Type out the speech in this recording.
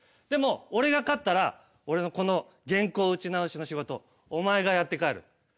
でも俺が勝ったら俺のこの原稿打ち直しの仕事お前がやって帰る。